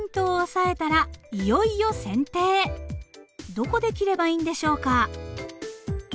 どこで切ればいいんでしょうか？